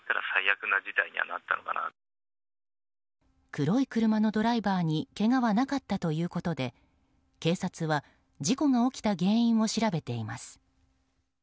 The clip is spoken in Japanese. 黒い車のドライバーにけがはなかったということで警察は事故が起きた原因を調べています。